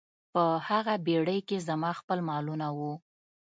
په هغه بیړۍ کې زما خپل مالونه وو.